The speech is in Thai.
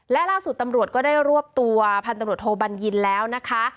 และล่าสุดตำรวจก็ได้รวบตัวพันธุ์ตำรวจโทบัญญินแล้วนะคะ